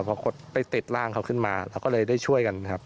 พอไปติดร่างเขาขึ้นมาเราก็เลยได้ช่วยกันครับ